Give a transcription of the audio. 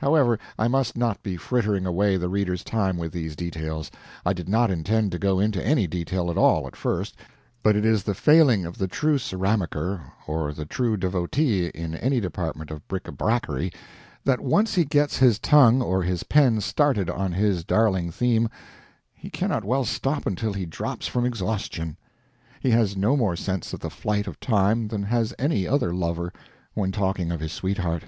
However, I must not be frittering away the reader's time with these details. I did not intend to go into any detail at all, at first, but it is the failing of the true ceramiker, or the true devotee in any department of brick a brackery, that once he gets his tongue or his pen started on his darling theme, he cannot well stop until he drops from exhaustion. He has no more sense of the flight of time than has any other lover when talking of his sweetheart.